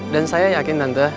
dan saya yakin tante